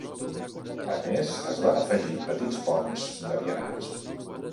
A més, es van afegir petits ponts de vianants.